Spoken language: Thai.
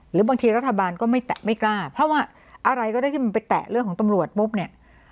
หรือบางทีรัฐบาลก็ไม่แตะไม่กล้าเพราะว่าอะไรก็ได้ที่มันไปแตะเรื่องของตำรวจปุ๊บเนี่ย